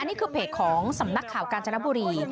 นี่คือเพจของสำนักข่าวกาญจนบุรี